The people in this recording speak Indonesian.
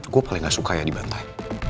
gue paling gak suka ya dibantai